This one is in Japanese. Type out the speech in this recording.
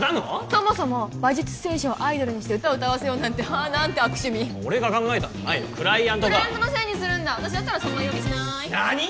そもそも馬術選手をアイドルにして歌を歌わせようなんてはっ何て悪趣味俺が考えたんじゃないよクライアントがクライアントのせいにするんだ私だったらそんな言い訳しなーい何！？